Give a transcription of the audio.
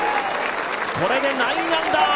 これで９アンダー。